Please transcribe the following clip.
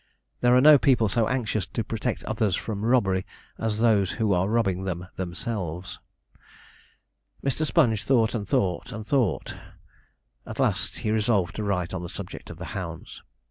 There are no people so anxious to protect others from robbery as those who are robbing them themselves. Mr. Sponge thought, and thought, and thought. At last he resolved to write on the subject of the hounds.